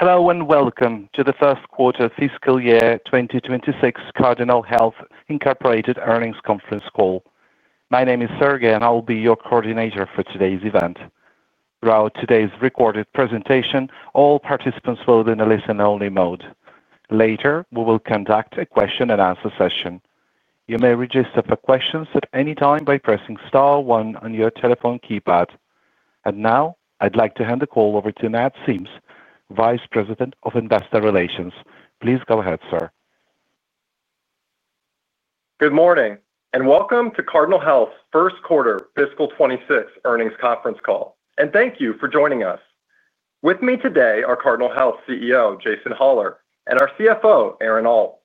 Hello and welcome to the first quarter fiscal year 2026 Cardinal Health, Inc earnings conference call. My name is Sergey and I will be your coordinator for today's event. Throughout today's recorded presentation, all participants will be in a listen-only mode. Later, we will conduct a question and answer session. You may register for questions at any time by pressing one on your telephone keypad. I would now like to hand the call over to Matt Sims, Vice President of Investor Relations. Please go ahead, sir. Good morning and welcome to Cardinal Health's first quarter fiscal 2026 earnings conference call, and thank you for joining us. With me today are Cardinal Health CEO Jason Hollar and our CFO Aaron Alt.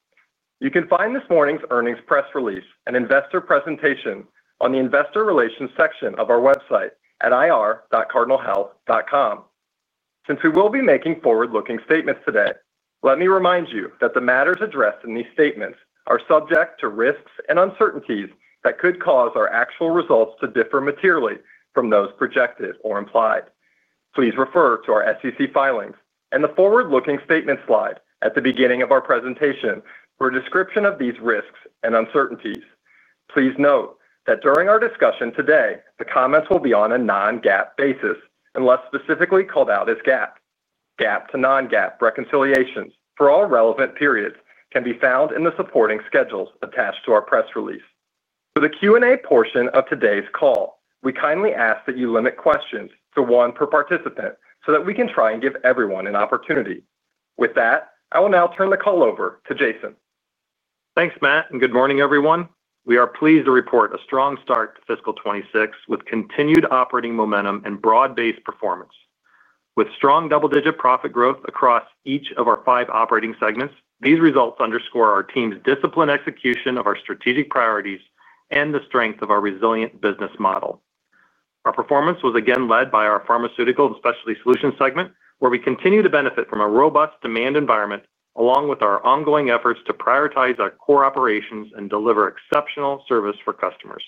You can find this morning's earnings press release and investor presentation on the Investor Relations section of our website at ir.cardinalhealth.com. Since we will be making forward-looking statements today, let me remind you that the matters addressed in these statements are subject to risks and uncertainties that could cause our actual results to differ materially from those projected or implied. Please refer to our SEC filings and the forward-looking statement slide at the beginning of our presentation for a description of these risks and uncertainties. Please note that during our discussion today, the comments will be on a non-GAAP basis unless specifically called out as GAAP. GAAP to non-GAAP reconciliations for all relevant periods can be found in the supporting schedules attached to our press release. For the Q&A portion of today's call, we kindly ask that you limit questions to one per participant so that we can try and give everyone an opportunity. With that, I will now turn the call over to Jason. Thanks Matt and good morning everyone. We are pleased to report a strong start to fiscal 2026 with continued operating momentum and broad-based performance with strong double-digit profit growth across each of our five operating segments. These results underscore our team's disciplined execution of our strategic priorities and the strength of our resilient business model. Our performance was again led by our Pharmaceutical and Specialty Solutions segment where we continue to benefit from a robust demand environment along with our ongoing efforts to prioritize our core operations and deliver exceptional service for customers.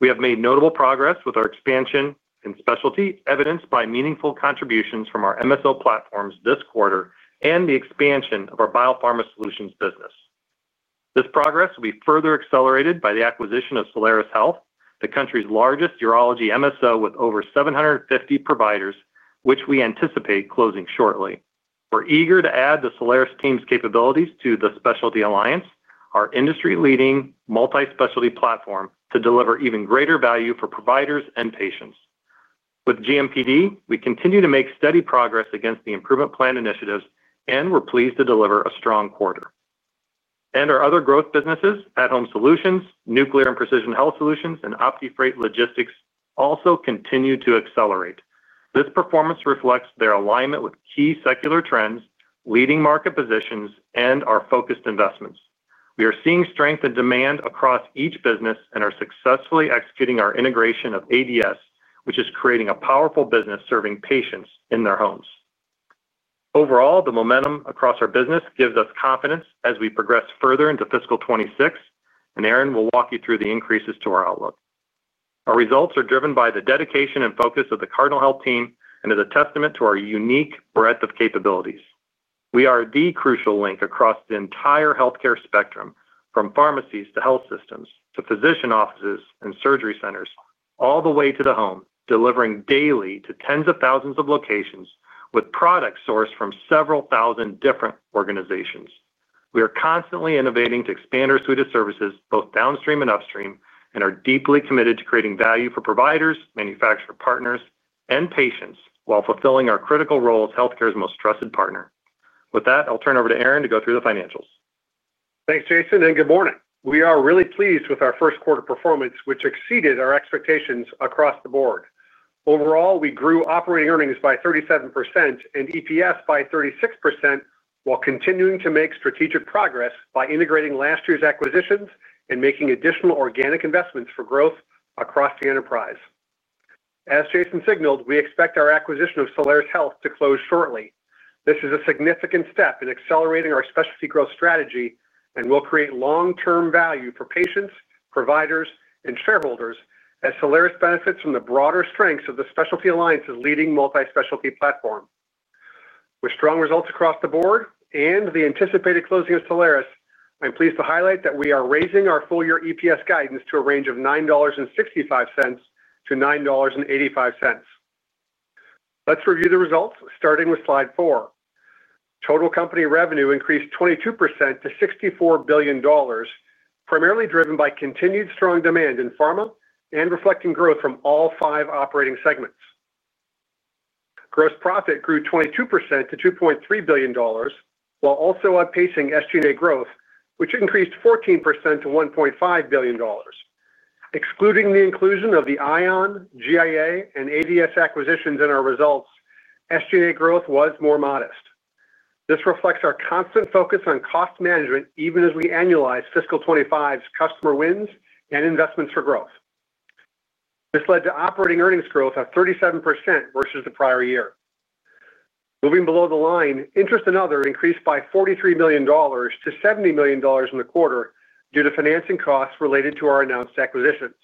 We have made notable progress with our expansion in specialty, evidenced by meaningful contributions from our MSO platforms this quarter and the expansion of our Biopharma Solutions business. This progress will be further accelerated by the acquisition of Solaris Health, the country's largest urology MSO with over 750 providers, which we anticipate closing shortly. We're eager to add the Solaris team's capabilities to the Specialty Alliance, our industry-leading multi-specialty platform to deliver even greater value for providers and patients with GMPD. We continue to make steady progress against the improvement plan initiatives and we're pleased to deliver a strong quarter and our other growth businesses at Home Solutions, Nuclear and Precision Health Solutions, and OptiFreight Logistics also continue to accelerate. This performance reflects their alignment with key secular trends, leading market positions, and our focused investments. We are seeing strength in demand across each business and are successfully executing our integration of ADS, which is creating a powerful business serving patients in their homes. Overall, the momentum across our business gives us confidence as we progress further into fiscal 2026 and Aaron will walk you through the increases to our outlook. Our results are driven by the dedication and focus of the Cardinal Health team and is a testament to our unique breadth of capabilities. We are the crucial link across the entire healthcare spectrum from pharmacies to health systems to physician offices and surgery centers all the way to the home, delivering daily to tens of thousands of locations with products sourced from several thousand different organizations. We are constantly innovating to expand our suite of services both downstream and upstream and are deeply committed to creating value for providers, manufacturer partners, and patients while fulfilling our critical role as healthcare's most trusted partner. With that, I'll turn over to Aaron to go through the financials. Thanks, Jason, and good morning. We are really pleased with our first quarter performance, which exceeded our expectations across the board. Overall, we grew operating earnings by 37% and EPS by 36% while continuing to make strategic progress by integrating last year's acquisitions and making additional organic investments for growth across the enterprise. As Jason signaled, we expect our acquisition of Solaris Health to close shortly. This is a significant step in accelerating our specialty growth strategy and will create long term value for patients, providers, and shareholders as Solaris benefits from the broader strengths of the Specialty Alliance's leading multi specialty platform with strong results across the board and the anticipated closing of Solaris. I'm pleased to highlight that we are raising our full year EPS guidance to a range of $9.65-$9.85. Let's review the results starting with slide four. Total company revenue increased 22% to $64 billion, primarily driven by continued strong demand in pharma and reflecting growth from all five operating segments. Gross profit grew 22% to $2.3 billion while also outpacing SG&A growth, which increased 14% to $1.5 billion. Excluding the inclusion of the ION, GIA, and ADS acquisitions in our results, SG&A growth was more modest. This reflects our constant focus on cost management even as we annualize fiscal 2025's customer wins and investments for growth. This led to operating earnings growth of 37% versus the prior year. Moving below the line, interest expense increased by $43 million to $70 million in the quarter due to financing costs related to our announced acquisitions.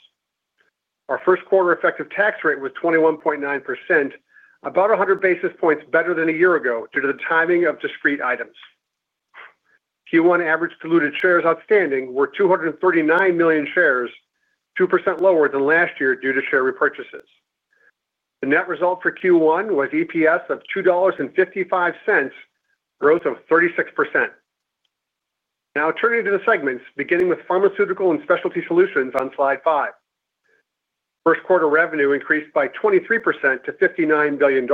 Our first quarter effective tax rate was 21.9%, about 100 basis points better than a year ago due to the timing of discrete items. Q1 average diluted shares outstanding were 239 million shares, 2% lower than last year due to share repurchases. The net result for Q1 was EPS of $2.55, growth of 36%. Now turning to the segments, beginning with Pharmaceutical and Specialty Solutions on slide five, first quarter revenue increased by 23% to $59 billion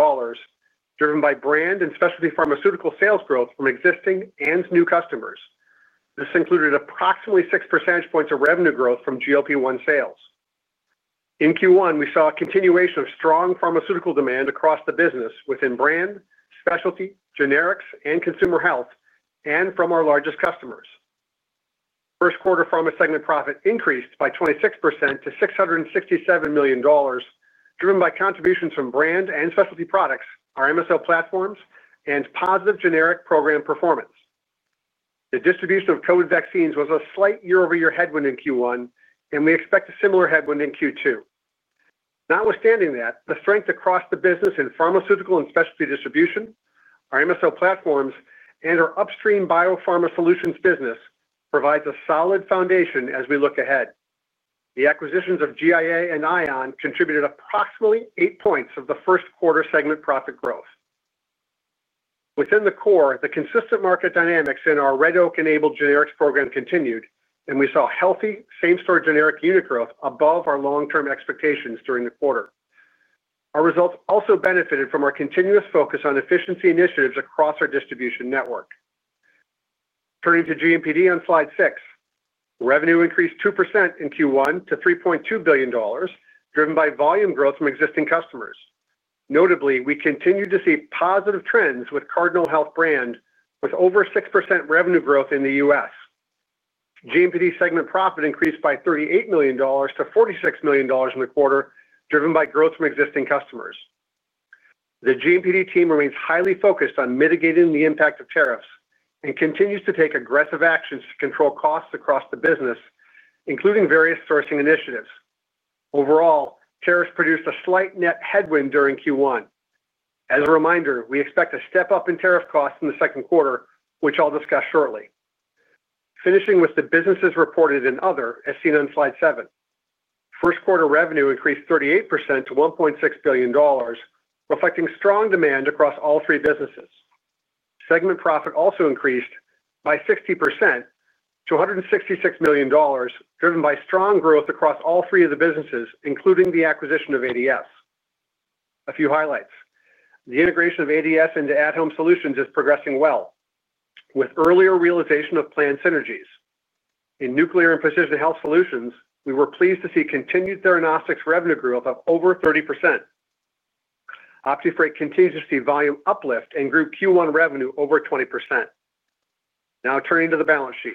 driven by brand and specialty pharmaceutical sales growth from existing and new customers. This included approximately 6 percentage points of revenue growth from GLP-1 sales. In Q1 we saw a continuation of strong pharmaceutical demand across the business within brand, specialty, generics, and consumer health and from our largest customers. First quarter pharma segment profit increased by 26% to $667 million driven by contributions from brand and specialty products, our MSO platforms, and positive generic program performance. The distribution of COVID vaccines was a slight year over year headwind in Q1, and we expect a similar headwind in Q2. Notwithstanding that the strength across the business in pharmaceutical and specialty distribution, our MSO platforms and our upstream Biopharma Solutions business provides a solid foundation as we look ahead. The acquisitions of GIA and ION contributed approximately 8 points of the first quarter segment profit growth within the core. The consistent market dynamics in our Red Oak enabled generics program continued, and we saw healthy same-store generic unit growth above our long-term expectations during the quarter. Our results also benefited from our continuous focus on efficiency initiatives across our distribution network. Turning to GMPD on slide six, revenue increased 2% in Q1 to $3.2 billion, driven by volume growth from existing customers. Notably, we continue to see positive trends with Cardinal Health-branded product portfolios, with over 6% revenue growth in the U.S. GMPD segment. Profit increased by $38 million to $46 million in the quarter, driven by growth from existing customers. The GMPD team remains highly focused on mitigating the impact of tariffs and continues to take aggressive actions to control costs across the business, including various sourcing initiatives. Overall, tariffs produced a slight net headwind during Q1. As a reminder, we expect a step up in tariff costs in the second quarter, which I'll discuss shortly. Finishing with the businesses reported in Other, as seen on slide seven, first quarter revenue increased 38% to $1.6 billion, reflecting strong demand across all three businesses. Segment profit also increased by 60% to $166 million, driven by strong growth across all three of the businesses, including the acquisition of ADS. A few highlights: the integration of ADS into At Home Solutions is progressing well, with earlier realization of planned synergies in Nuclear and Precision Health Solutions. We were pleased to see continued theranostics revenue growth of over 30%. OptiFreight continues to see volume uplift and grew Q1 revenue over 20%. Now turning to the balance sheet,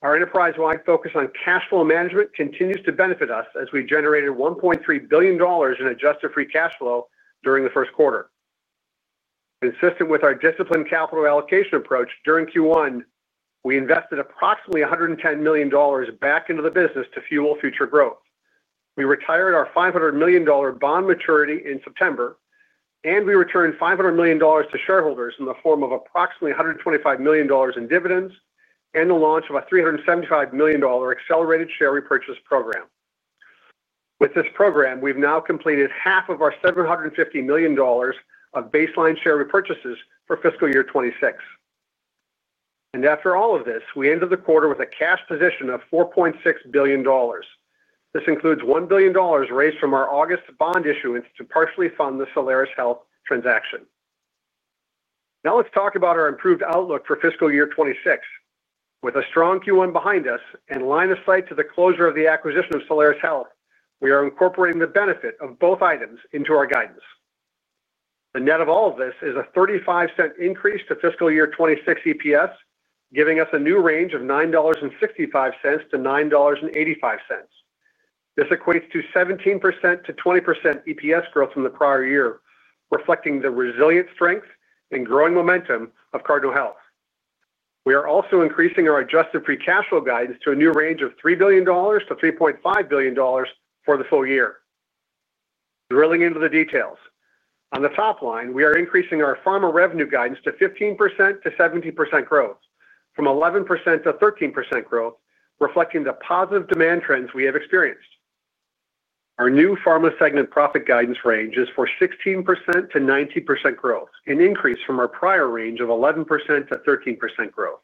our enterprise-wide focus on cash flow management continues to benefit us as we generated $1.3 billion in adjusted free cash flow during the first quarter. Consistent with our disciplined capital allocation approach during Q1, we invested approximately $110 million back into the business to fuel future growth. We retired our $500 million bond maturity in September, and we returned $500 million to shareholders in the form of approximately $125 million in dividends and the launch of a $375 million accelerated share repurchase program. With this program, we've now completed half of our $750 million of baseline share repurchases for fiscal year 2026, and after all of this, we ended the quarter with a cash position of $4.6 billion. This includes $1 billion raised from our August bond issuance to partially fund the Solaris Health transaction. Now let's talk about our improved outlook for fiscal year 2026. With a strong Q1 behind us and line of sight to the closure of the acquisition of Solaris Health, we are incorporating the benefit of both items into our guidance. The net of all of this is a $0.35 increase to fiscal year 2026 EPS, giving us a new range of $9.65-$9.85. This equates to 17%-20% EPS growth from the prior year, reflecting the resilient strength and growing momentum of Cardinal Health. We are also increasing our adjusted free cash flow guidance to a new range of $3 billion-$3.5 billion for the full year. Drilling into the details on the top line, we are increasing our pharma revenue guidance to 15%-17% growth, from 11%-13% growth, reflecting the positive demand trends we have experienced. Our new pharma segment profit guidance range is for 16%-19% growth, an increase from our prior range of 11%-13% growth.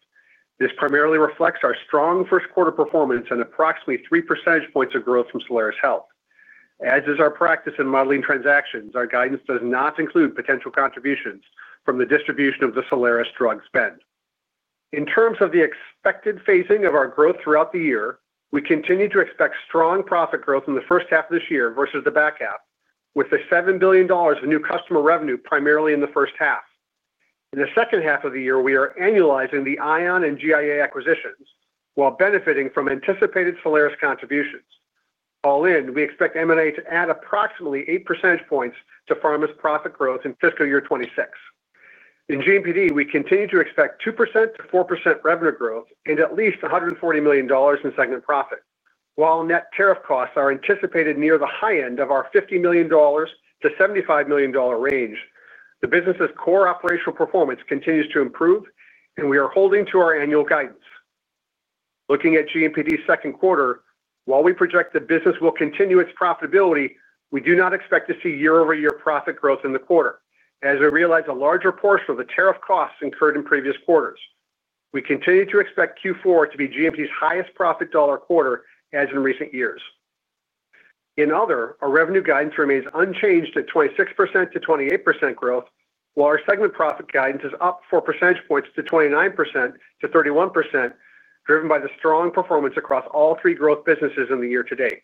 This primarily reflects our strong first quarter performance and approximately 3 percentage points of growth from Solaris Health. As is our practice in modeling transactions, our guidance does not include potential contributions from the distribution of the Solaris drug spend. In terms of the expected phasing of our growth throughout the year, we continue to expect strong profit growth in the first half of this year versus the back half, with the $7 billion of new customer revenue primarily in the first half. In the second half of the year, we are annualizing the ION and GIA acquisitions while benefiting from anticipated Solaris contributions. All in, we expect M&A to add approximately 8 percentage points to Pharma's profit growth in fiscal year 2026. In GMPD, we continue to expect 2%-4% revenue growth and at least $140 million in segment profit. While net tariff costs are anticipated near the high end of our $50 million-$75 million range, the business's core operational performance continues to improve, and we are holding to our annual guidance looking at GMPD's second quarter. While we project the business will continue its profitability, we do not expect to see year-over-year profit growth in the quarter as we realize a larger portion of the tariff costs incurred in previous quarters. We continue to expect Q4 to be GMPD's highest profit dollar quarter as in recent years. In Other, our revenue guidance remains unchanged at 26%-28% growth, while our segment profit guidance is up 4 percentage points to 29%-31%, driven by the strong performance across all three growth businesses in the year to date.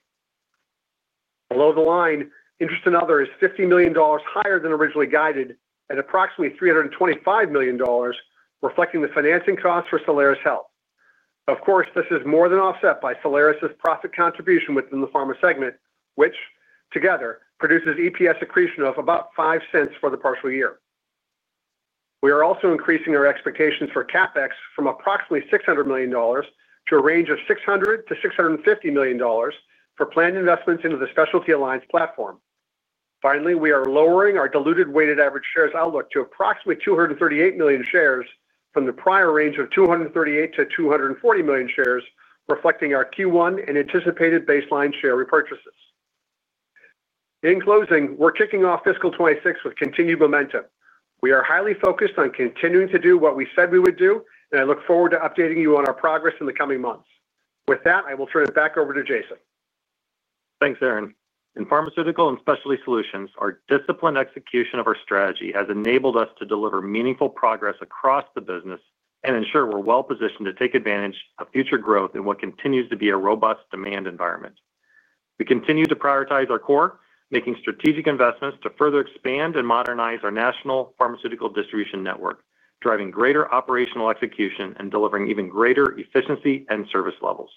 Below the line, interest and other is $50 million higher than originally guided and approximately $325 million, reflecting the financing costs for Solaris Health. Of course, this is more than offset by Solaris profit contribution within the Pharma segment, which together produces EPS accretion of about $0.05 for the partial year. We are also increasing our expectations for CapEx from approximately $600 million to a range of $600 million-$650 million for planned investments into the Specialty alliance platform. Finally, we are lowering our diluted weighted average shares outlook to approximately 238 million shares from the prior range of 238 million-240 million shares, reflecting our Q1 and anticipated baseline share repurchases. In closing, we're kicking off fiscal 2026 with continued momentum. We are highly focused on continuing to do what we said we would do, and I look forward to updating you on our progress in the coming months. With that, I will turn it back over to Jason. Thanks, Aaron. In Pharmaceutical and Specialty Solutions, our disciplined execution of our strategy has enabled us to deliver meaningful progress across the business and ensure we're well positioned to take advantage of future growth in what continues to be a robust demand environment. We continue to prioritize our core, making strategic investments to further expand and modernize our national pharmaceutical distribution network, driving greater operational execution and delivering even greater efficiency and service levels.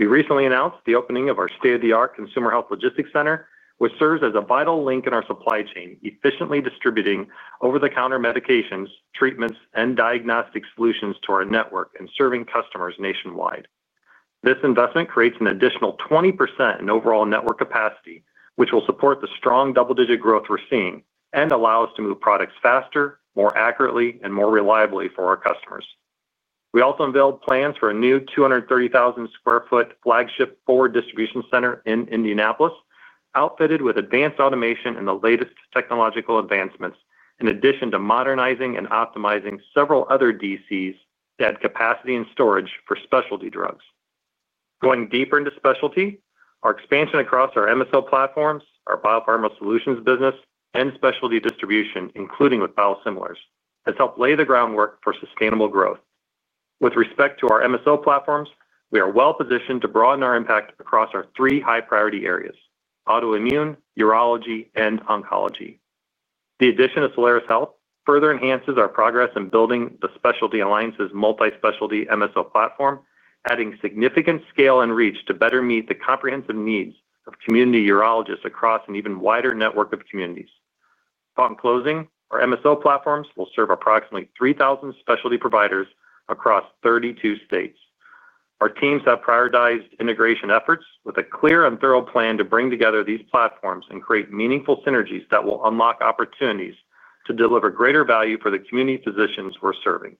We recently announced the opening of our state-of-the-art Consumer Health Logistics center, which serves as a vital link in our supply chain, efficiently distributing over-the-counter medications, treatments, and diagnostic solutions to our network and serving customers nationwide. This investment creates an additional 20% in overall network capacity, which will support the strong double-digit growth we're seeing and allow us to move products faster, more accurately, and more reliably for our customers. We also unveiled plans for a new 230,000 sq ft flagship Forward Distribution center in Indianapolis, outfitted with advanced automation and the latest technological advancements, in addition to modernizing and optimizing several other DCs that increase capacity and storage for specialty drugs. Going deeper into Specialty, our expansion across our MSO platforms, our Biopharma Solutions business, and specialty distribution, including with biosimilars, has helped lay the groundwork for sustainable growth. With respect to our MSO platforms, we are well positioned to broaden our impact across our three high-priority areas: autoimmune, urology, and oncology. The addition of Solaris Health further enhances our progress in building the Specialty Alliance's multi-specialty MSO platform, adding significant scale and reach to better meet the comprehensive needs of community urologists across an even wider network of communities. In closing, our MSO platforms will serve approximately 3,000 specialty providers across 32 states. Our teams have prioritized integration efforts with a clear and thorough plan to bring together these platforms and create meaningful synergies that will unlock opportunities to deliver greater value for the community physicians we're serving.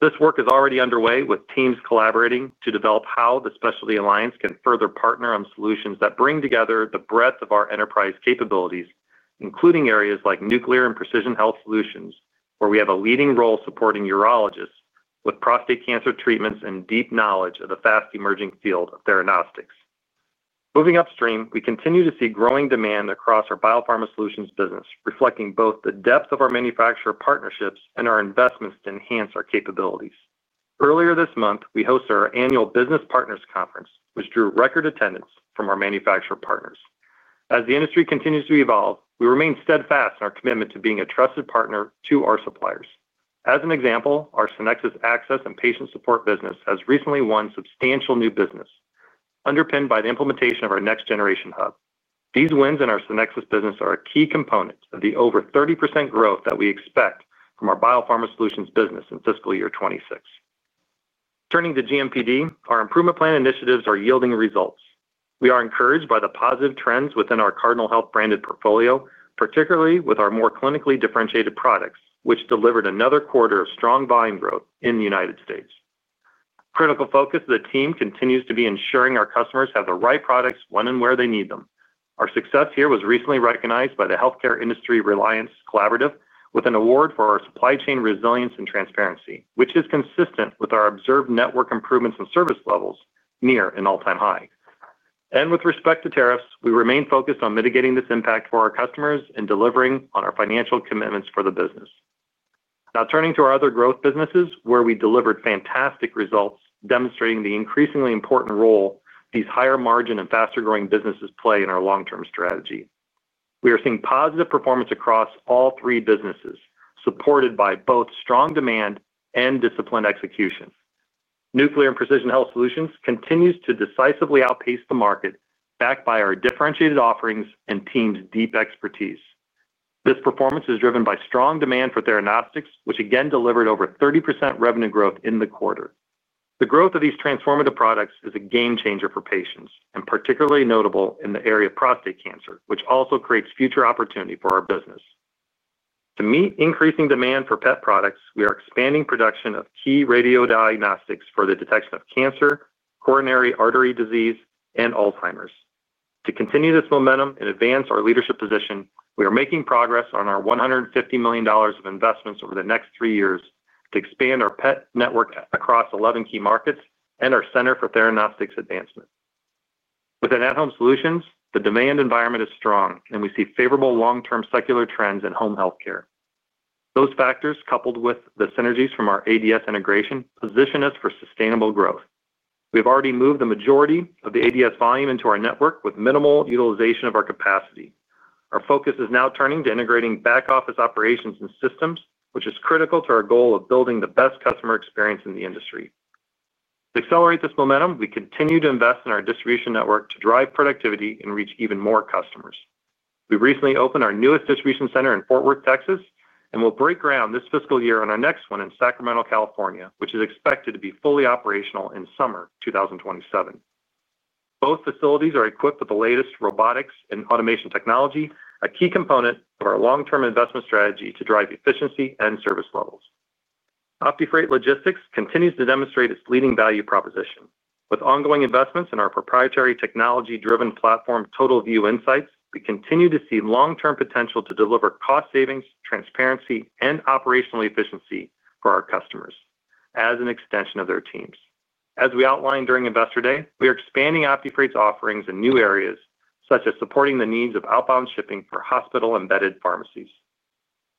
This work is already underway with teams collaborating to develop how the Specialty alliance can further partner on solutions that bring together the breadth of our enterprise capabilities, including areas like Nuclear and Precision Health Solutions where we have a leading role supporting urologists with prostate cancer treatments and deep knowledge of the fast emerging field of theranostics. Moving upstream, we continue to see growing demand across our Biopharma Solutions business, reflecting both the depth of our manufacturer partnerships and our investments to enhance our capabilities. Earlier this month we hosted our annual Business Partners conference, which drew record attendance from our manufacturer partners. As the industry continues to evolve, we remain steadfast in our commitment to being a trusted partner to our suppliers. As an example, our Synexus Access and patient support business has recently won substantial new business underpinned by the implementation of our next generation hub. These wins in our Synexus business are a key component of the over 30% growth that we expect from our Biopharma Solutions business in fiscal year 2026. Turning to GMPD, our improvement plan initiatives are yielding results. We are encouraged by the positive trends within our Cardinal Health-branded product portfolios, particularly with our more clinically differentiated products, which delivered another quarter of strong volume growth in the U.S. Critical focus of the team continues to be ensuring our customers have the right products when and where they need them. Our success here was recently recognized by the Healthcare Industry Reliance Collaborative with an award for our supply chain resilience and transparency, which is consistent with our observed network improvements and service levels near an all-time high. With respect to tariffs, we remain focused on mitigating this impact for our customers and delivering on our financial commitments for the business. Now turning to our other growth businesses where we delivered fantastic results demonstrating the increasingly important role these higher margin and faster growing businesses play in our long term strategy, we are seeing positive performance across all three businesses supported by both strong demand and disciplined execution. Nuclear and Precision Health Solutions continues to decisively outpace the market, backed by our differentiated offerings and team's deep expertise. This performance is driven by strong demand for theranostics, which again delivered over 30% revenue growth in the quarter. The growth of these transformative products is a game changer for patients and particularly notable in the area of prostate cancer, which also creates future opportunity for our business. To meet increasing demand for PET products, we are expanding production of key radiodiagnostics for the detection of cancer, coronary artery disease, and Alzheimer's. To continue this momentum and advance our leadership position, we are making progress on our $150 million of investments over the next three years to expand our PET network across 11 key markets and our Center for Theranostics Advancement within At Home Solutions. The demand environment is strong, and we see favorable long-term secular trends in home health care. Those factors, coupled with the synergies from our ADS integration, position us for sustainable growth. We have already moved the majority of the ADS volume into our network with minimal utilization of our capacity. Our focus is now turning to integrating back office operations and systems, which is critical to our goal of building the best customer experience in the industry. To accelerate this momentum, we continue to invest in our distribution network to drive productivity and reach even more customers. We recently opened our newest distribution center in Fort Worth, Texas, and will break ground this fiscal year on our next one in Sacramento, California, which is expected to be fully operational in summer 2027. Both facilities are equipped with the latest robotics and automation technology, a key component of our long-term investment strategy to drive efficiency and service levels. OptiFreight Logistics continues to demonstrate its leading value proposition with ongoing investments in our proprietary technology-driven platform, Total View Insights. We continue to see long-term potential to deliver cost savings, transparency, and operational efficiency for our customers as an extension of their teams. As we outlined during Investor Day, we are expanding OptiFreight's offerings in new areas, such as supporting the needs of outbound shipping for hospital-embedded pharmacies.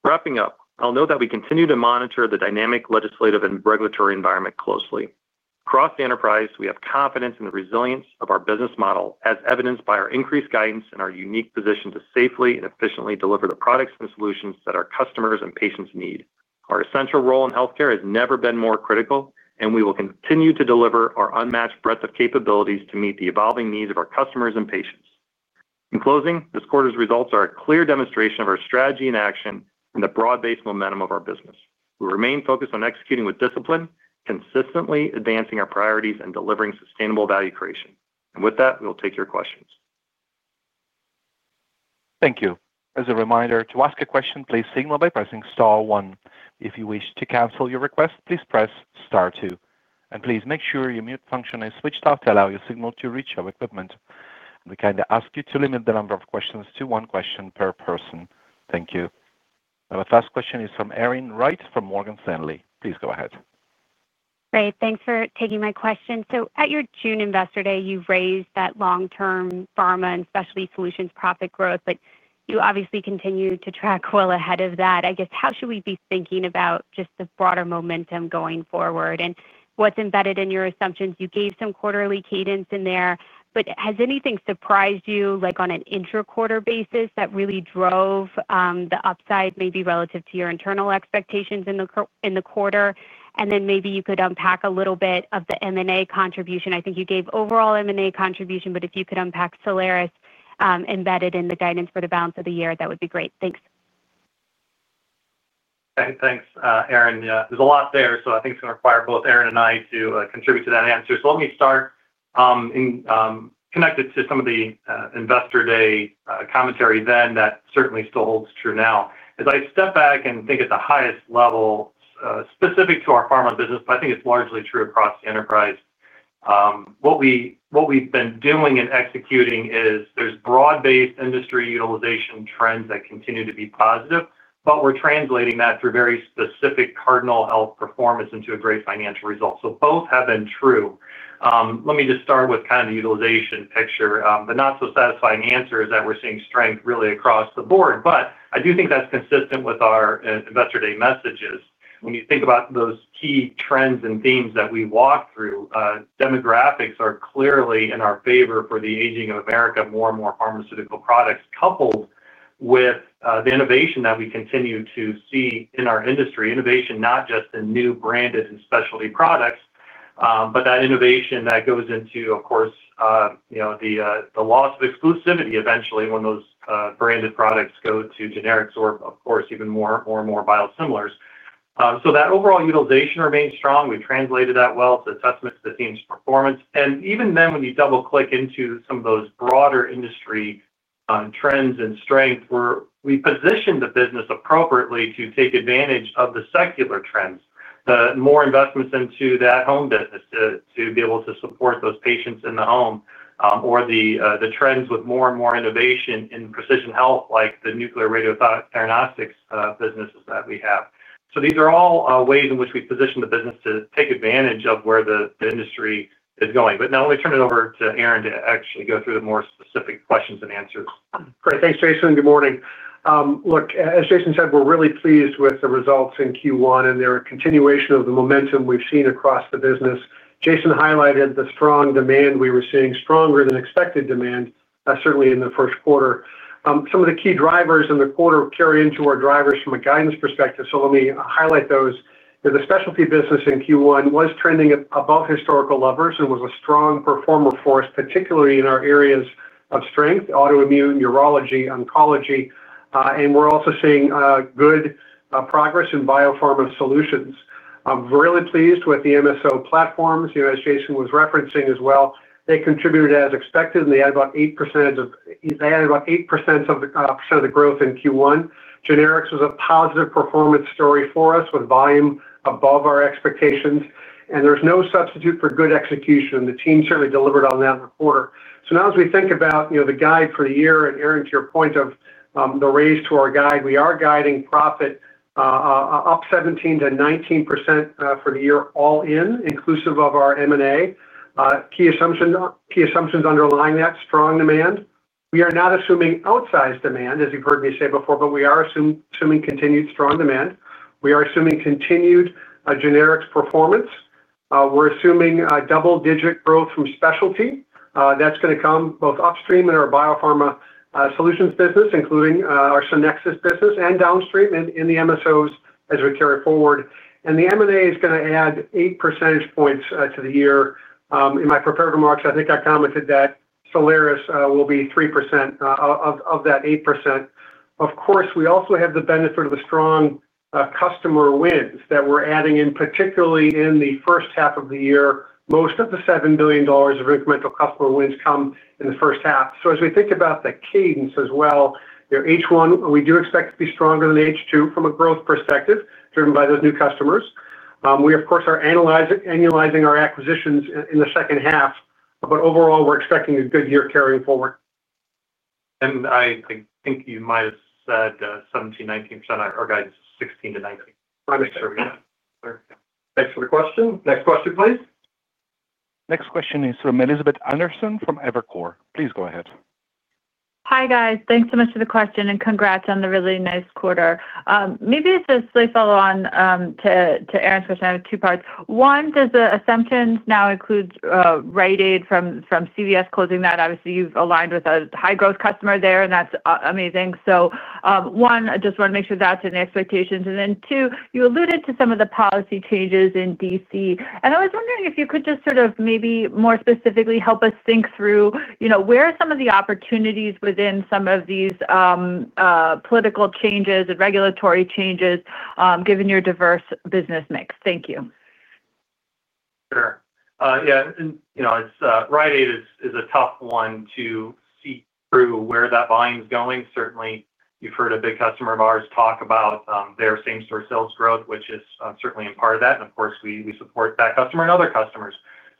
Wrapping up, I'll note that we continue to monitor the dynamic legislative and regulatory environment closely across the enterprise. We have confidence in the resilience of our business model as evidenced by our increased guidance and our unique position to safely and efficiently deliver the products and solutions that our customers and patients need. Our essential role in healthcare has never been more critical, and we will continue to deliver our unmatched breadth of capabilities to meet the evolving needs of our customers and patients. In closing, this quarter's results are a clear demonstration of our strategy in action and the broad-based momentum of our business. We remain focused on executing with discipline, consistently advancing our priorities and delivering sustainable value creation. With that, we'll take your questions. Thank you. As a reminder to ask a question, please signal by pressing star one. If you wish to cancel your request, please press star two. Please make sure your mute function is switched off to allow your signal to reach our equipment. We kindly ask you to limit the number of questions to one question per person. Thank you. Our first question is from Erin Wright from Morgan Stanley. Please go ahead. Great. Thanks for taking my question. At your June Investor Day you raised that long-term Pharma and Specialty Solutions profit growth, but you obviously continue to track well ahead of that. I guess, how should we be thinking about just the broader momentum going forward and what's embedded in your assumptions? You gave some quarterly cadence in there, but has anything surprised you, like on an intra-quarter basis, that really drove the upside maybe relative to your internal expectations in the quarter? Maybe you could unpack a little bit of the M&A contribution. I think you gave overall M&A contribution, but if you could unpack Solaris embedded in the guidance for the balance of the year, that would be great. Thanks. Thanks, Erin. There's a lot there, so I think it's going to require both Aaron and I to contribute to that answer. Let me start connected to some of the investor day commentary then. That certainly still holds true now as I step back and think at the highest level specific to our pharma business. I think it's largely true across enterprise. What we've been doing and executing is there's broad-based industry utilization trends that continue to be positive, but we're translating that through very specific Cardinal Health performance into a great financial result. Both have been true. Let me just start with kind of utilization picture. The not so satisfying answer is that we're seeing strength really across the board. I do think that's consistent with our investor day messages when you think about those key trends and themes that we walk through. Demographics are clearly in our favor for the aging of America. More and more pharmaceutical products, coupled with the innovation that we continue to see in our industry, innovation not just in new branded and specialty products, but that innovation that goes into, of course, the loss of exclusivity eventually when those branded products go to generics or even more and more biosimilars, so that overall utilization remains strong. We translated that well to assessments, the team's performance, and even then when you double click into some of those broader industry trends and strength, we position the business appropriately to take advantage of the secular trends, more investments into that home business to be able to support those patients in the home, or the trends with more and more innovation in precision health like the Nuclear Radiotheranostics businesses that we have. These are all ways in which we position the business to take advantage of where the industry is going. Now let me turn it over to Aaron to actually go through the more specific questions and answers. Great. Thanks Jason. Good morning. Look, as Jason said, we're really pleased with the results in Q1, and they're a continuation of the momentum we've seen across the business. Jason highlighted the strong demand we were seeing, stronger than expected demand certainly in the first quarter. Some of the key drivers in the quarter carry into our drivers from a guidance perspective. Let me highlight those. The Specialty business in Q1 was trending above historical levers and was a strong performer for us, particularly in our areas of strength: autoimmune, urology, oncology, and we're also seeing good progress in Biopharma Solutions. Really pleased with the MSO platforms as Jason was referencing as well. They contributed as expected, and they had about 8%. They added about 8% of the growth in Q1. Generics was a positive performance story for us with volume above our expectations, and there's no substitute for good execution. The team certainly delivered on that quarter. As we think about the guide for the year and Aaron, to your point of the race to our guide, we are guiding profit up 17%-19% for the year, all in inclusive of our M&A. Key assumptions underlying that: strong demand. We are not assuming outsized demand as you've heard me say before, but we are assuming continued strong demand. We are assuming continued generics performance. We're assuming double-digit growth from specialty that's going to come both upstream in our Biopharma Solutions business, including our Synxis business, and downstream in the MSOs as we carry forward. The M&A is going to add 8 percentage points to the year. In my prepared remarks, I think I commented that Solaris Health will be 3% of that 8%. Of course, we also have the benefit of the strong customer wins that we're adding in, particularly in the first half of the year. Most of the $7 billion of incremental customer wins come in the first half. As we think about the cadence as well, H1, we do expect to be stronger than H2 from a growth perspective driven by those new customers. We of course are annualizing our acquisitions in the second half, but overall we're expecting a good year carrying forward. I think you might have said 17%, 19%. Our guidance is 16%-19%. Thanks for the question. Next question, please. Next question is from Elizabeth Anderson from Evercore. Please go ahead. Hi guys. Thanks so much for the question and congrats on the really nice quarter. Maybe it's a slight follow on to Erin's question. I have two parts. One, does the assumptions now include Rite Aid from CVS closing that obviously you've aligned with a high growth customer there. Amazing. One, I just want to make sure that's in expectations and then two, you alluded to some of the policy changes in D.C. and I was wondering if you could just sort of maybe more specifically help us think through, you know, where are some of the opportunities within some of these political changes and regulatory changes given your diverse business mix. Thank you. Sure. Yeah, you know, Rite Aid is a tough one to see through where that volume is going. Certainly you've heard a big customer of ours talk about their same store sales growth, which is certainly in part of that. Of course, we support that customer and other customers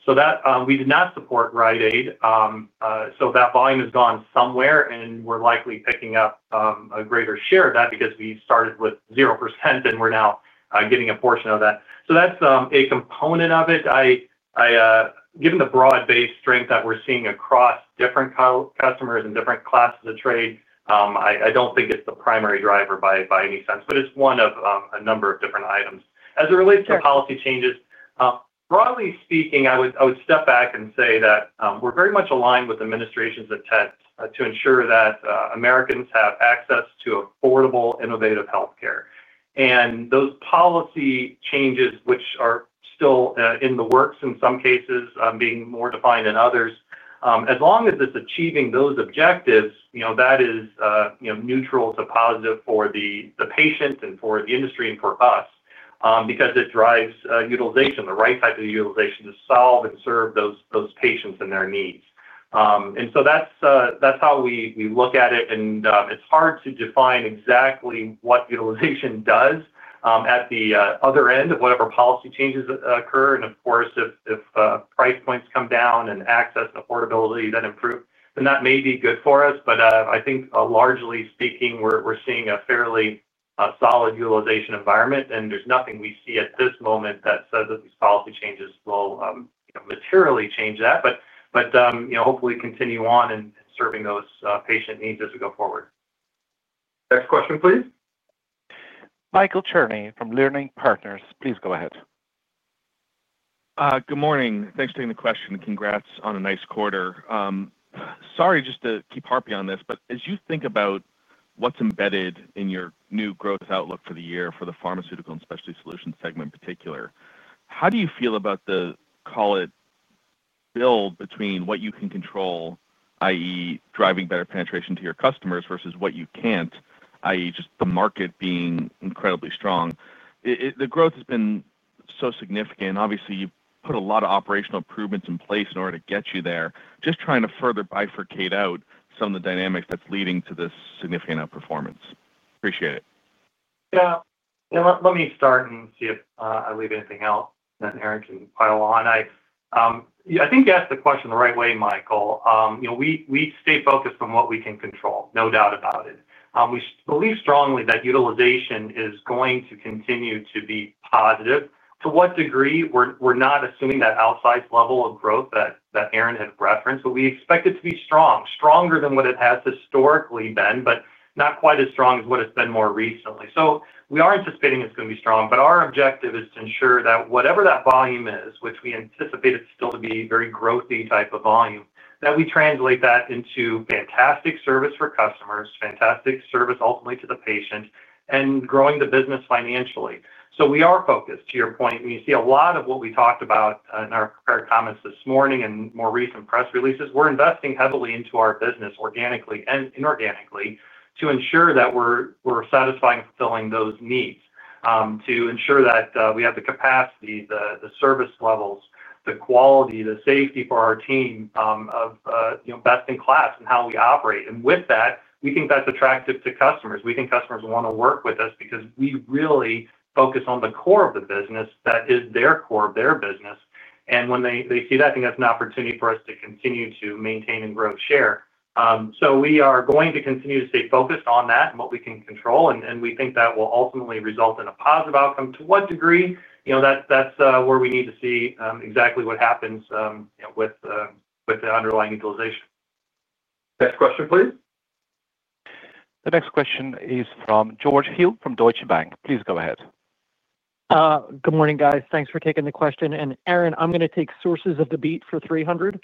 so that we did not support Rite Aid. That volume has gone somewhere and we're likely picking up a greater share of that because we started with 0% and we're now getting a portion of that. That's a component of it. Given the broad-based strength that we're seeing across different customers and different classes of trade, I don't think it's the primary driver by any sense, but it's one of a number of different items as it relates to policy changes. Broadly speaking, I would step back and say that we're very much aligned with the administration's intent to ensure that Americans have access to affordable, innovative health care. Those policy changes, which are still in the works, in some cases being more defined than others, as long as it's achieving those objectives, that is neutral to positive for the patient and for the industry and for us because it drives utilization, the right type of utilization to solve and serve those patients and their needs. That's how we look at it. It's hard to define exactly what utilization does at the other end of whatever policy changes occur. Of course, if price points come down and access and affordability then improve, that may be good for us. I think largely speaking, we're seeing a fairly solid utilization environment. There's nothing we see at this moment that says that these policy changes will materially change that, but hopefully continue on in serving those patient needs as we go forward. Next question, please. Michael Cherny from Leerink Partners, please go ahead. Good morning. Thanks for taking the question. Congrats on a nice quarter. Sorry just to keep harping on this, but as you think about what's embedded in your new growth outlook for the year for the Pharmaceutical and Specialty Solutions segment in particular, how do you feel about the, call it, build between what you can control, that is driving better penetration to your customers, versus what you can't, that is just the market being incredibly strong. The growth has been so significant. Obviously, you put a lot of operational improvements in place in order to get you there. Just trying to further bifurcate out some of the dynamics that's leading to this significant outperformance. Appreciate it. Yeah. Let me start and see if I leave anything else that Aaron can pile on. I think you asked the question the right way, Michael. We stay focused on what we can control, no doubt about it. We believe strongly that utilization is going to continue to be positive. To what degree? We're not assuming that outsized level of growth that Aaron had referenced, but we expect it to be strong, stronger than what it has historically been, but not quite as strong as what it's been more recently. We are anticipating it's going to be strong. Our objective is to ensure that whatever that volume is, which we anticipate it still to be very growthy type of volume, that we translate that into fantastic service for customers, fantastic service ultimately to the patient, and growing the business financially. We are focused, to your point, when you see a lot of what we talked about in our prepared comments this morning and more recent press releases. We're investing heavily into our business organically and inorganically to ensure that we're satisfying, fulfilling those needs. To ensure that we have the capacity, the service levels, the quality, the safety for our team of best in class in how we operate. With that, we think that's attractive to customers. We think customers want to work with us because we really focus on the core of the business that is their core of their business. When they see that, I think that's an opportunity for us to continue to maintain and grow share. We are going to continue to stay focused on that and what we can control, and we think that will ultimately result in a positive outcome. To what degree, that's where we need to see exactly what happens with the underlying utilization. Next question please. The next question is from George Hill from Deutsche Bank. Please go ahead. Good morning, guys. Thanks for taking the question. Aaron, I'm going to take sources of the beat for 300.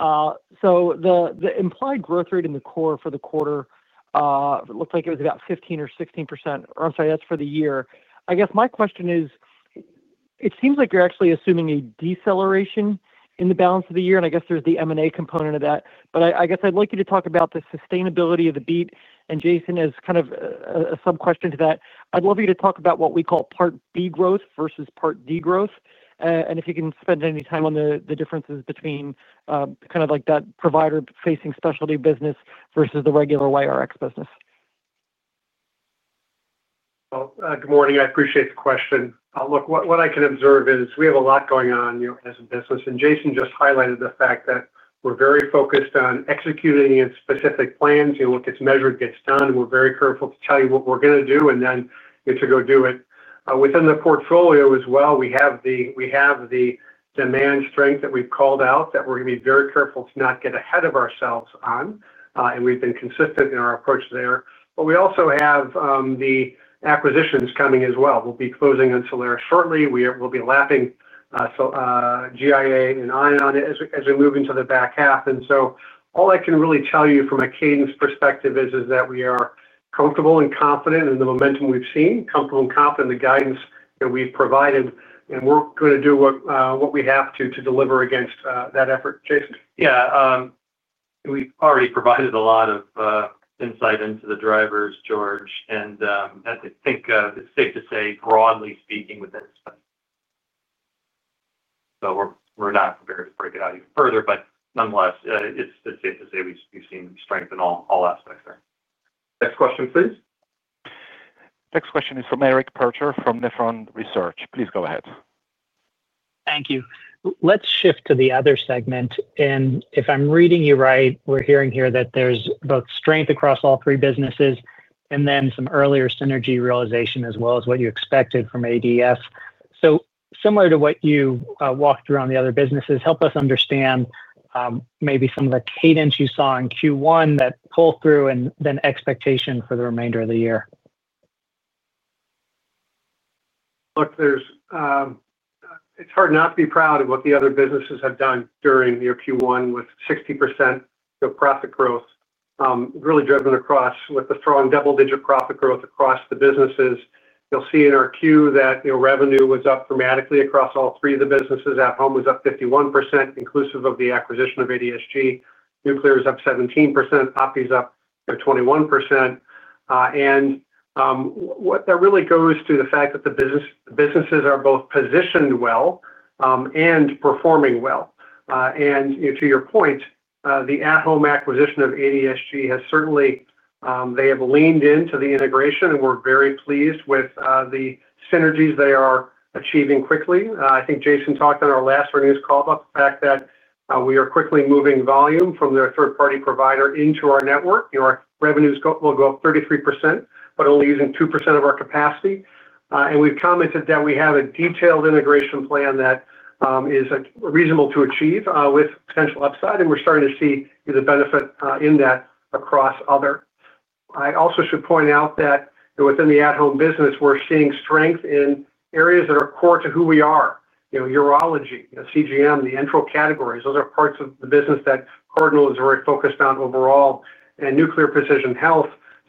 The implied growth rate in the core for the quarter looked like it was about 15% or 16%. I'm sorry, that's for the year. I guess my question is, it seems like you're actually assuming a deceleration in the balance of the year, and I guess there's the M&A component of that. I'd like you to talk about the sustainability of the beat. Jason, as kind of a sub question to that, I'd love you to talk about what we call part B growth versus part D growth. Can you spend any time on the differences between kind of like that provider-facing specialty business versus the regular YRX business? Good morning. I appreciate the question. Look, what I can observe is we have a lot going on as a business and Jason just highlighted the fact that we're very focused on executing in specific plans. You know, what gets measured, gets done. We're very careful to tell you what we're going to do and then to go do it within the portfolio as well. We have the demand strength that we've called out that we're going to be very careful to not get ahead of ourselves on and we've been consistent in our approach there. We also have the acquisitions coming as well. We'll be closing on Solaris Health shortly. We'll be lapping GIA and ION as we move into the back half. All I can really tell you from a cadence perspective is that we are comfortable and confident in the momentum. We've seen comfortable and confident, the guidance that we've provided and we're going to do what we have to to deliver against that effort. Jason? Yeah, we've already provided a lot of insight into the drivers, George, and I think it's safe to say broadly speaking with this. We're not prepared to break it out even further, but nonetheless it's safe to say we've seen strength in all aspects. Next question please. Next question is from Eric Percher from Nephron Research. Please go ahead. Thank you. Let's shift to the other segment, and if I'm reading you right, we're hearing here that there's both strength across all three businesses and then some earlier synergy realization as well as what you expected from ADS. Similar to what you walked through on the other businesses, help us understand maybe some of the cadence you saw in Q1 that pull through and then expectation for the remainder of the year. Look, it's hard not to be proud of what the other businesses have done during the year. Q1 with 60% profit growth really driven across with the strong double-digit profit growth across the businesses. You'll see in our queue that revenue was up dramatically across all three of the businesses. At Home was up 51% inclusive of the acquisition of ADS. Nuclear is up 17%, API is up 21%. That really goes to the fact that the businesses are both positioned well and performing well. To your point, the At Home acquisition of ADS has certainly, they have leaned into the integration and we're very pleased with the synergies they are achieving quickly. I think Jason talked on our last earnings call about the fact that we are quickly moving volume from their third-party provider into our network. Our revenues will go up 33% but only using 2% of our capacity. We've commented that we have a detailed integration plan that is reasonable to achieve with potential upside and we're starting to see the benefit in that. I also should point out that within the At Home business we're seeing strength in areas that are core to who we are. You know, urology, CGM, the enteral categories, those are parts of the business that Cardinal Health is very focused on overall. Nuclear and Precision Health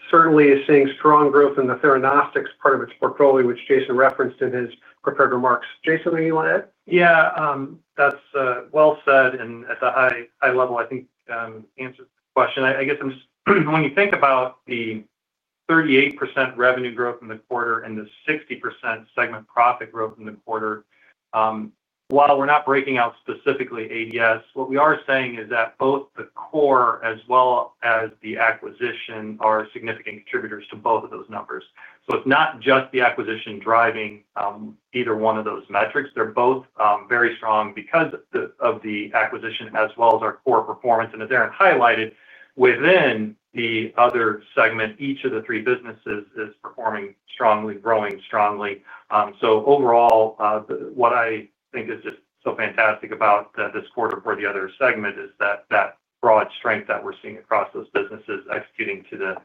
certainly is seeing strong growth in the theranostics part of its portfolio, which Jason referenced in his prepared remarks. Jason, you want to add. Yeah, that's well said. At the high level, I think answers the question. I guess I'm just, when you think about the 38% revenue growth in the quarter and the 60% segment profit growth in the quarter, while we're not breaking out specifically ADS, what we are saying is that both the core as well as the acquisition are significant contributors to both of those numbers. It's not just the acquisition driving either one of those metrics. They're both very strong because of the acquisition as well as our core performance. As Aaron highlighted within the other segment, each of the three businesses is performing strongly, growing strongly. Overall, what I think is just so fantastic about this quarter for the other segment is that broad strength that we're seeing across those businesses executing to the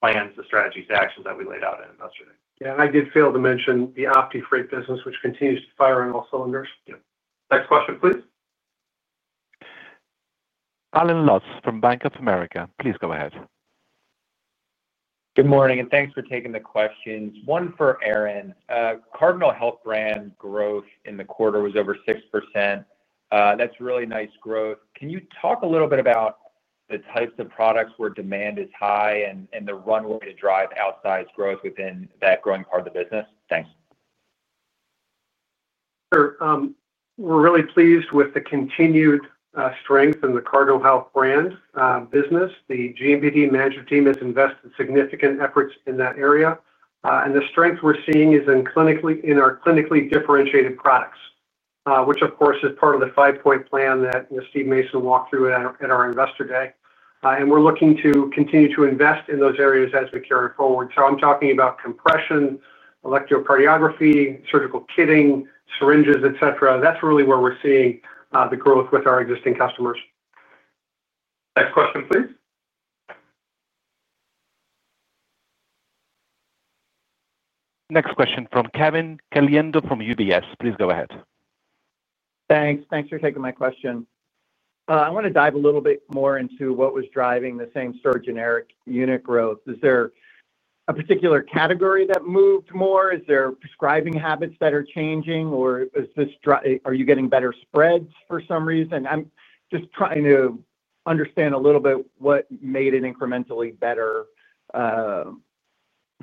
plans, the strategies, actions that we laid out in Investor Day. I did fail to mention the OptiFreight business, which continues to fire on all cylinders. Next question, please. Allen Lutz from Bank of America. Please go ahead. Good morning and thanks for taking the questions. One for Aaron. Cardinal Health brand growth in the quarter was over 6%. That's really nice growth. Can you talk a little bit about the types of products where demand is high and the runway to drive outsized growth within that growing part of the business? Thanks. Sure. We're really pleased with the continued strength in the Cardinal Health-branded product portfolios. The GMPD management team has invested significant efforts in that area, and the strength we're seeing is in our clinically differentiated products, which of course is part of the five-point plan that Steve Mason walked through at our Investor Day. We're looking to continue to invest in those areas as we carry forward. I'm talking about compression, electrocardiography, surgical kitting, syringes, et cetera. That's really where we're seeing the growth with our existing customers. Next question, please. Next question from Kevin Caliendo from UBS. Please go ahead. Thanks. Thanks for taking my question. I want to dive a little bit more into what was driving the same store generic unit growth. Is there a particular category that moved more? Is there prescribing habits that are changing, or is this, are you getting better spreads for some reason? I'm just trying to understand a little. What made it incrementally better.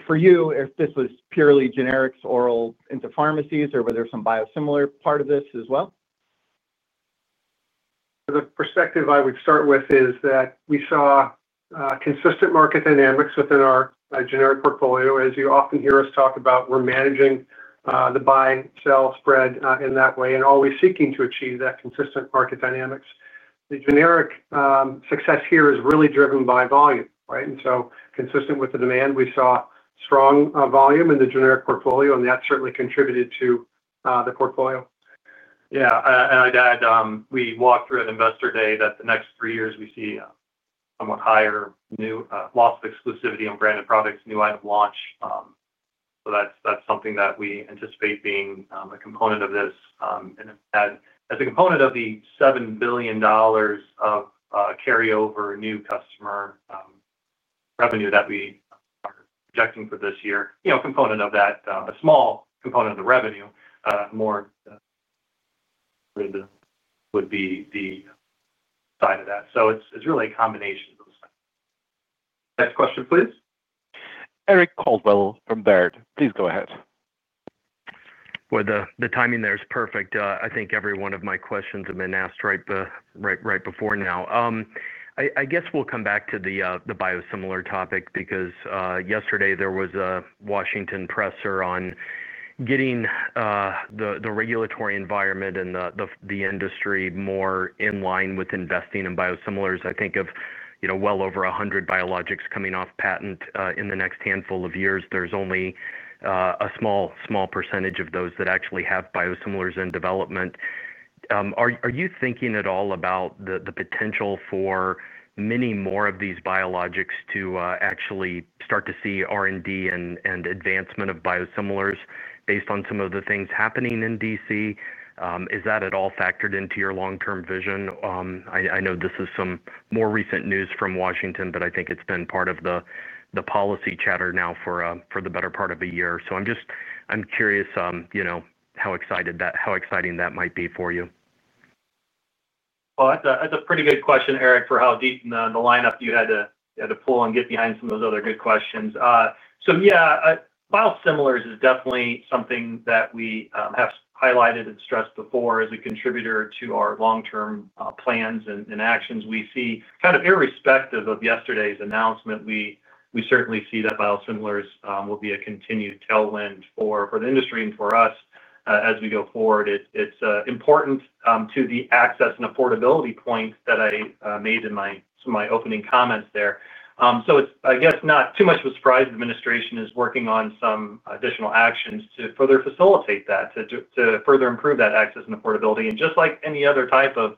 For you. If this was purely generics, oral into pharmacies, or were there some biosimilar part of this as well? The perspective I would start with is that we saw consistent market dynamics within our generic portfolio. As you often hear us talk about, we're managing the buy, sell spread in that way and always seeking to achieve that consistent market dynamics. The generic success here is really driven by volume. Right. Consistent with the demand, we saw strong volume in the generic portfolio and that certainly contributed to the portfolio. Yeah. I'd add we walked through at investor day that the next three years we see somewhat higher new loss of exclusivity on branded products, new item launch. That's something that we anticipate being a component of this and as a component of the $7 billion of carryover new customer revenue that we are projecting for this year. You know, component of that, a small component of the revenue more would be the side of that. It's really a combination of those. Next question, please. Eric Coldwell from Baird. Please go ahead. The timing there is perfect. I think every one of my questions have been asked right before now. I guess we'll come back to the biosimilar topic because yesterday there was a Washington presser on getting the regulatory environment and the industry more in line with investing in biosimilars. I think of, you know, well over 100 biologics coming off patent in the next handful of years. There's only a small, small percentage of those that actually have biosimilars in development. Are you thinking at all about the potential for many more of these biologics to actually start to see R&D and advancement of biosimilars based on some of the things happening in D.C.? Is that at all factored into your long-term vision? I know this is some more recent news from Washington, but I think it's been part of the policy chatter now for the better part of a year. I'm just curious how exciting that might be for you. That's a pretty good question, Eric, for how deep the lineup you had to pull and get behind some of those other good questions. Biosimilars is definitely something that we have highlighted and stressed before as a contributor to our long-term plans and actions. We see, kind of irrespective of yesterday's announcement, we certainly see that biosimilars will be a continued tailwind for the industry and for us as we go forward. It's important to the access and affordability point that I made in my opening comments there. I guess it's not too much of a surprise the administration is working on some additional actions to further facilitate that, to further improve that access and affordability. Just like any other type of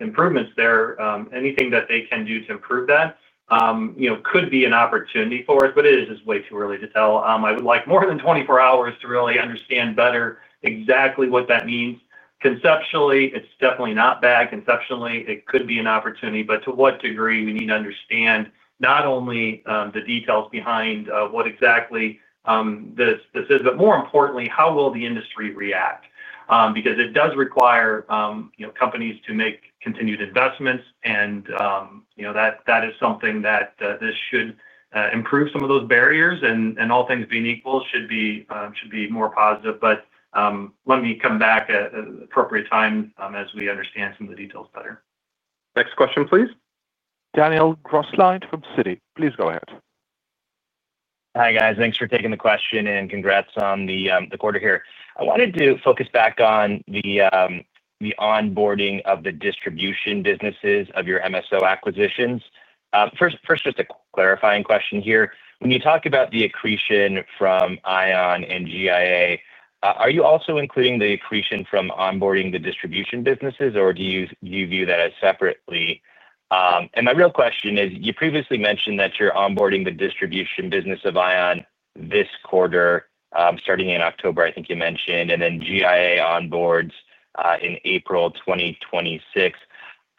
improvements there, anything that they can do to improve that could be an opportunity for us, but it is just way too early to tell. I would like more than 24 hours to really understand better exactly what that means. Conceptually it's definitely not bad. Conceptually it could be an opportunity, but to what degree we need to understand not only the details behind what exactly this is, but more importantly, how will the industry react because it does require companies to make continued investments. That is something that this should improve some of those barriers and all things being equal, should be more positive. Let me come back at an appropriate time as we understand some of the details better. Next question, please. Daniel Grosslight from Citi. Please go ahead. Hi guys. Thanks for taking the question and congrats on the quarter here. I wanted to focus back on the onboarding of the distribution businesses of your MSO acquisitions. Just a clarifying question here. When you talk about the accretion from ION and GIA, are you also including the accretion from onboarding the distribution businesses or do you view that as separately? My real question is, you previously mentioned that you're onboarding the distribution business of ION this quarter, starting in October, I think you mentioned, and then GIA onboards in April 2026.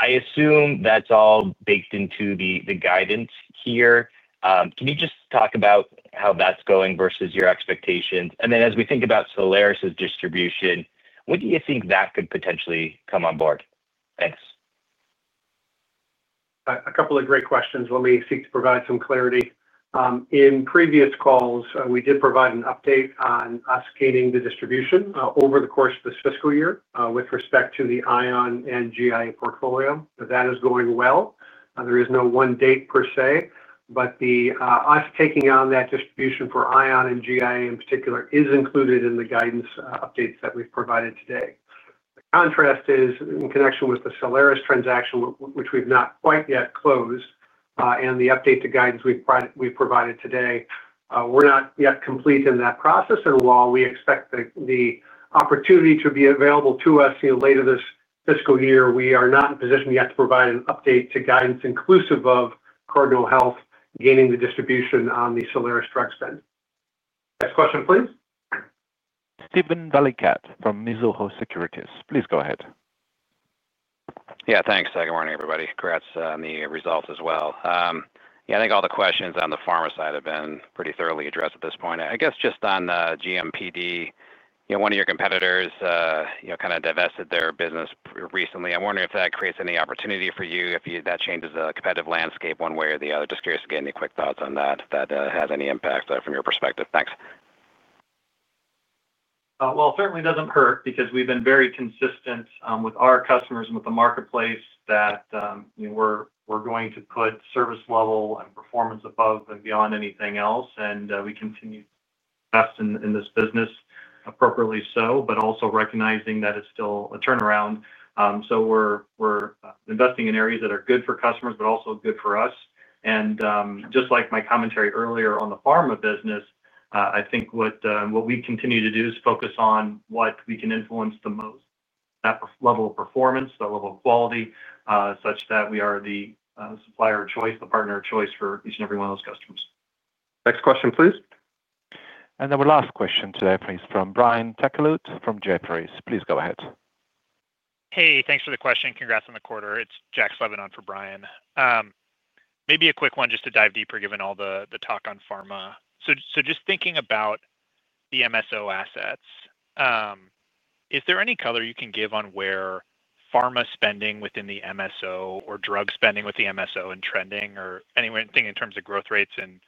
I assume that's all baked into the guidance here. Can you just talk about how that's going versus your expectations? As we think about Solaris distribution, when do you think that could potentially come on board? Thanks. A couple of great questions. Let me seek to provide some clarity. In previous calls, we did provide an update on us gaining the distribution over the course of this fiscal year with respect to the ION and GIA portfolio. That is going well. There is no one date per se, but the U.S. taking on that distribution for ION and GIA in particular is included in the guidance updates that we've provided today. The contrast is in connection with the Solaris transaction, which we've not quite yet closed, and the update to guidance we've provided today, we're not yet complete in that process. While we expect the opportunity to be available to us later this fiscal year, we are not in a position yet to provide an update to guidance inclusive of Cardinal Health gaining the distribution on the Solaris drug spend. Next question please. Steven Valiquette from Mizuho Securities. Please go ahead. Yeah, thanks. Good morning everybody. Congrats on the results as well. I think all the questions on the pharma side have been pretty thoroughly addressed at this point. I guess just on GMPD, one of your competitors kind of divested their business recently. I'm wondering if that creates any opportunity for you, if that changes the competitive landscape one way or the other. Just curious to get any quick thoughts on that, if that has any impact from your perspective. Thanks. It certainly doesn't hurt because we've been very consistent with our customers, with the marketplace, that we're going to put service level and performance above and beyond anything else. We continue investing in this business, appropriately so, but also recognizing that it's still a turnaround. We're investing in areas that are good for customers but also good for us. Just like my commentary earlier on the pharma business, I think what we continue to do is focus on what we can influence the most, that level of performance, that level of quality, such that we are the supplier of choice, the partner of choice for each and every one of those customers. Next question, please. Our last question today is from Brian Tanquilut from Jefferies. Please go ahead. Hey, thanks for the question. Congrats on the quarter. It's Jack Slevin on for Brian. Maybe a quick one just to dive deeper given all the talk on pharma. Just thinking about the MSO assets, is there any color you can give on where pharma spending within the MSO or drug spending with the MSO is trending or anything in terms of growth rates and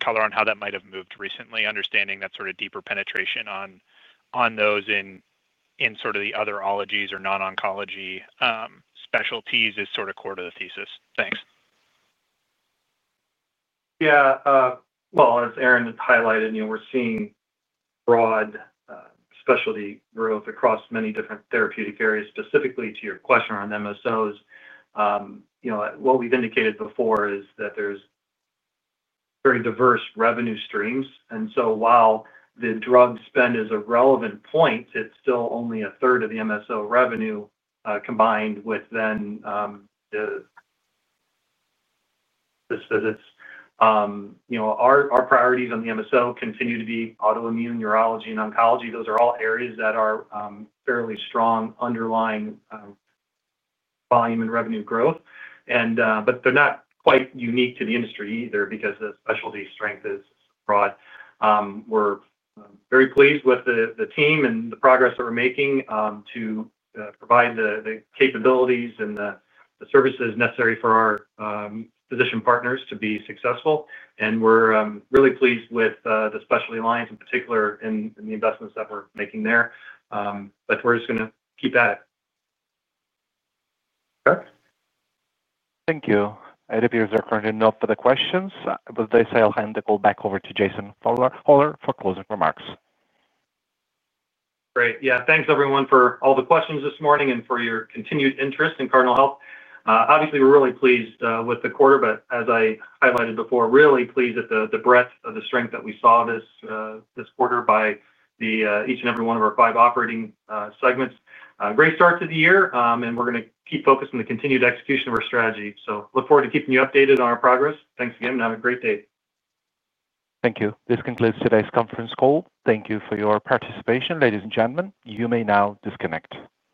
color on how that might have moved recently? Understanding that sort of deeper penetration on those in the other ologies or non-oncology specialties is sort of core to the thesis. Thanks. As Aaron highlighted, we're seeing broad specialty growth across many different therapeutic areas. Specifically to your question around MSOs, what we've indicated before is that there's very diverse revenue streams. While the drug spend is a relevant point, it's still only a third of the MSO revenue combined with then the visits. Our priorities on the MSO continue to be autoimmune, neurology, and oncology. Those are all areas that have fairly strong underlying volume and revenue growth, but they're not quite unique to the industry either because the specialty strength is broad. We're very pleased with the team and the progress that we're making to provide the capabilities and the services necessary for our physician partners to be successful, and we're really pleased with the specialty lines in particular and the investments that we're making there. We're just going to keep at it. Thank you. It appears there are currently no further questions, but at this time I'll hand the call back over to Jason Hollar for closing remarks. Great. Yeah. Thanks everyone for all the questions this morning and for your continued interest in Cardinal Health. Obviously, we're really pleased with the quarter, but as I highlighted before, really pleased at the breadth of the strength that we saw this quarter by each and every one of our five operating segments. Great start to the year. We're going to keep focus on the continued execution of our strategy. Look forward to keeping you updated on our progress. Thanks again. Have a great day. Thank you. This concludes today's conference call. Thank you for your participation, ladies and gentlemen. You may now disconnect.